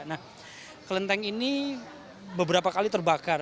nah kelenteng ini beberapa kali terbakar